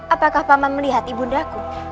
apakah paman melihat ibu ndaku